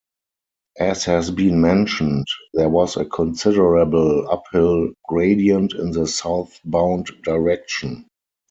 As has been mentioned, there was a considerable uphill gradient in the southbound direction.